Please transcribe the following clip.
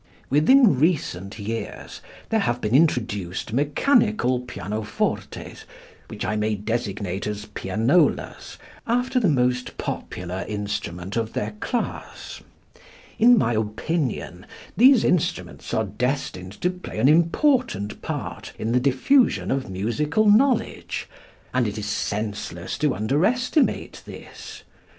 Within recent years there have been introduced mechanical pianofortes, which I may designate as pianolas, after the most popular instrument of their class. In my opinion, these instruments are destined to play an important part in the diffusion of musical knowledge, and it is senseless to underestimate this.